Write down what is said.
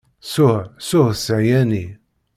Ssuh, ssuh ssehyani.